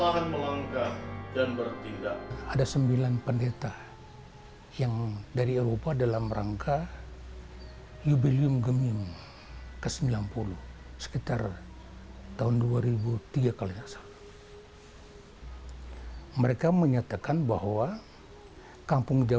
kampung jaton ini tidak bisa dilakukan